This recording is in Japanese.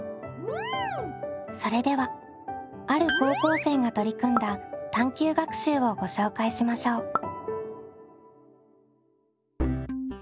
それではある高校生が取り組んだ探究学習をご紹介しましょう。